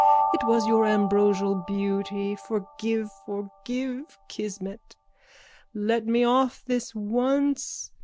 It was your ambrosial beauty. Forget, forgive. Kismet. Let me off this once.